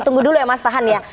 tunggu dulu ya mas tahan ya